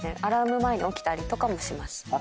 アラーム前に起きたりとかもします。